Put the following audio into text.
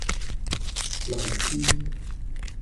荔枝